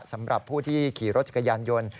สำหรับผู้ที่ขี่รถจักรยานยนต์